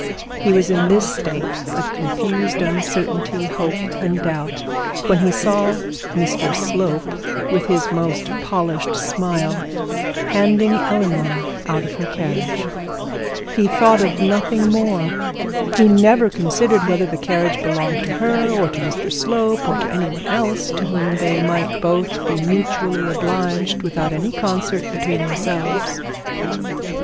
He was in this state of confused uncertainty, hope, and doubt, when he saw Mr Slope, with his most polished smile, handing Eleanor out of her carriage. He thought of nothing more. He never considered whether the carriage belonged to her or to Mr Slope, or to any one else to whom they might both be mutually obliged without any concert between themselves.